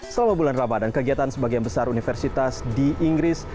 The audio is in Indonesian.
selama bulan ramadan kegiatan sebagian besar universitas di inggris